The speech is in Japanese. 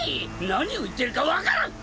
何を言ってるか分からん！